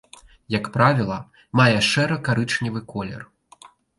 Як правіла, мае шэра-карычневы колер.